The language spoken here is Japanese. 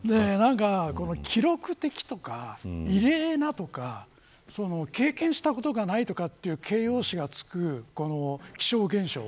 記録的なとか異例なとか経験したことがないという形容詞が付くこの気象現象